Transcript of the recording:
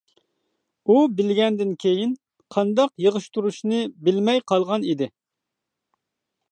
ئۇ بىلگەندىن كېيىن، قانداق يىغىشتۇرۇشنى بىلمەي قالغان ئىدى.